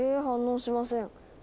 反応しません。